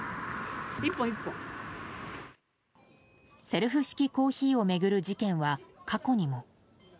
セルフ式コーヒーを巡る事件は過去にも。